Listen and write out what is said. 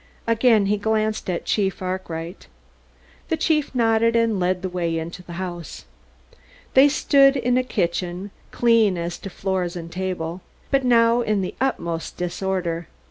Again he glanced at Chief Arkwright. The chief nodded, and led the way into the house. They stood in a kitchen, clean as to floors and tables, but now in the utmost disorder.